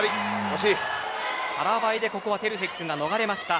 腹ばいでここはテルヘックが逃れました。